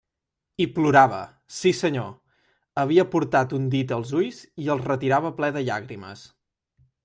I plorava, sí senyor; havia portat un dit als ulls i el retirava ple de llàgrimes.